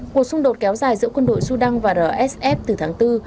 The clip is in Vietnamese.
cuộc xung đột kéo dài giữa quân đội sudan và rsf từ tháng bốn